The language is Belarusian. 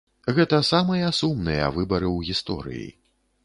Гэта самыя сумныя выбары ў гісторыі.